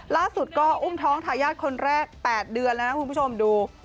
ล่าสุดก็อุ้มท้องทายาทคนแรก๘เดือนแล้วนะคุณผู้ชมดู